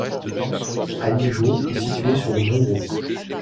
Alijó est située sur le Douro.